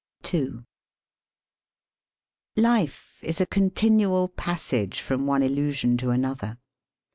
Life is a contioual passage from one illusion to another.